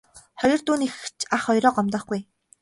Хоёр дүү нь эгч ах хоёроо гомдоохгүй ээ.